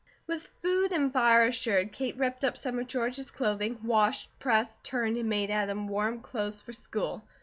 With food and fire assured, Kate ripped up some of George's clothing, washed, pressed, turned, and made Adam warm clothes for school.